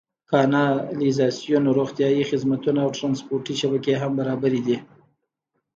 کانالیزاسیون، روغتیايي خدمتونه او ټرانسپورتي شبکې هم برابرې دي.